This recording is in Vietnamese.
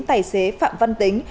tài xế phạm văn tính